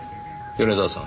米沢さん。